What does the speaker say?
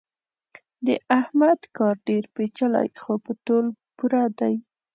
د احمد کار ډېر پېچلی خو په تول پوره دی.